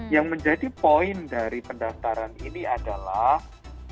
yang menjadi poin dari pendastaran ini adalah perlindungan